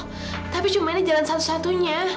tapi cuma ini jalan satu satunya